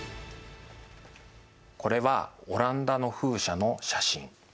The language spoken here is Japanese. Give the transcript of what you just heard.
これはオランダの風車の写真。